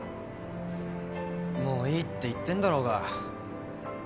もういいって言ってんだろうが。